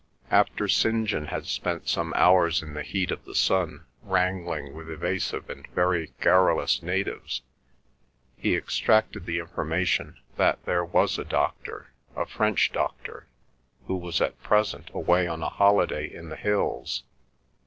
After St. John had spent some hours in the heat of the sun wrangling with evasive and very garrulous natives, he extracted the information that there was a doctor, a French doctor, who was at present away on a holiday in the hills.